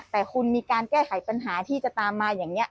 แต่คุณมีการแก้ไขปัญหาที่จะตามมาอย่างนี้